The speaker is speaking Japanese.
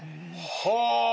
はあ！